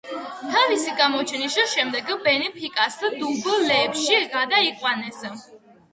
თავის გამოჩენის შემდეგ „ბენფიკას“ დუბლებში გადაიყვანეს.